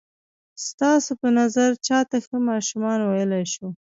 ستاسو په نظر چاته ښه ماشومان ویلای شو؟